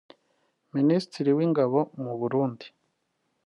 Ministre w’ingabo mu Burundi